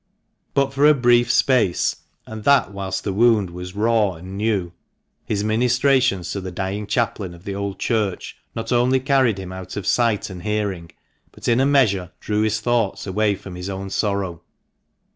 But for a brief space, and that whilst the wound was raw and new, his ministrations to the dying chaplain of the Old Church not only carried him out of sight and hearing, but in a measure drew his thoughts away from his own sorrow.